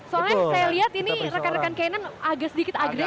soalnya saya lihat ini rekan rekan canine agak sedikit agresif nih